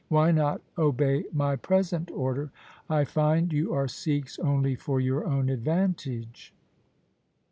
Why not obey my present order ? I find you are Sikhs only for your own advantage.'